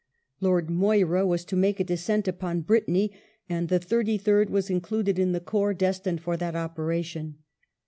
Lord Moira was to make a descent upon CAMPAIGN IN HOLLAND Brittany, and the Thirty third was included in the corps destined for that operation.